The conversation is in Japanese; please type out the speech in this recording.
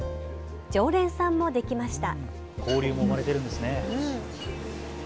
常連さんもできました。